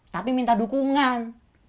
tapi minta dukungan